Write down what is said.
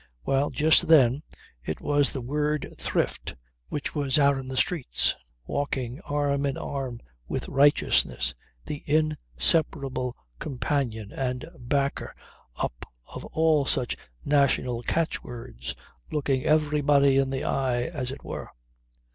Well just then it was the word Thrift which was out in the streets walking arm in arm with righteousness, the inseparable companion and backer up of all such national catch words, looking everybody in the eye as it were.